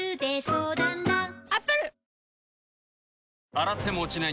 洗っても落ちない